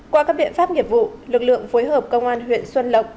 qua các biện pháp nghiệp vụ lực lượng phối hợp công an huyện xuân lộc